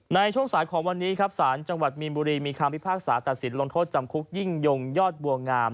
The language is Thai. ในช่วงสายของวันนี้ครับสารจังหวัดมีนบุรีมีคำพิพากษาตัดสินลงโทษจำคุกยิ่งยงยอดบัวงาม